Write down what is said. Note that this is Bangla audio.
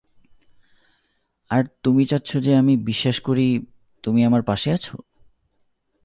আর তুমি চাচ্ছ যে আমি বিশ্বাস করি, তুমি আমার পাশে আছ?